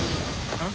あっ？